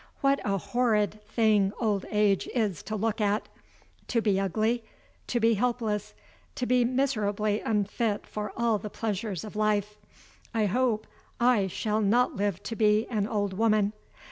What a horrid thing old age is to look at! To be ugly, to be helpless, to be miserably unfit for all the pleasures of life I hope I shall not live to be an old woman.